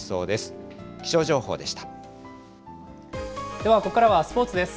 ではここからはスポーツです。